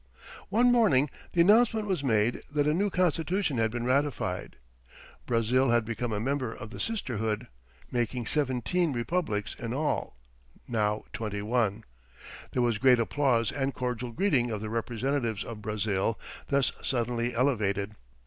One morning the announcement was made that a new constitution had been ratified. Brazil had become a member of the sisterhood, making seventeen republics in all now twenty one. There was great applause and cordial greeting of the representatives of Brazil thus suddenly elevated.